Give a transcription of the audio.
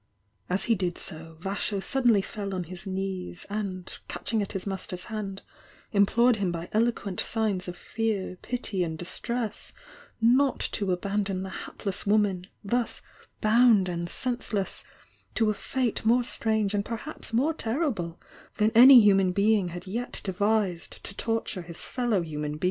As he did so Vasho suddenly feU on his knees, and catch ing at his master's hand, implored him by eloquent signs of fear, pity and distress, not to abandon the hapless woman, thus bound and senseless, to a fate more strange and perhaps more terrible than anv human bemg had yet devised to torture his fellow i^^r ^"?